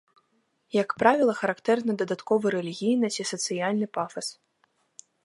Як правіла, характэрны дадатковы рэлігійны ці сацыяльны пафас.